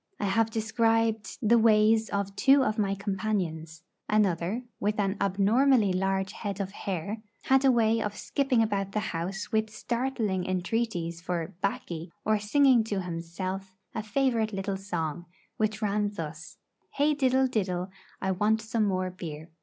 I have described the ways of two of my companions. Another, with an abnormally large head of hair, had a way of skipping about the house with startling entreaties for 'baccy,' or singing to himself a favourite little song, which ran thus: 'Hey diddle diddle, I want some more beer.'